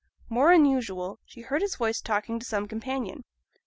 More unusual, she heard his voice talking to some companion.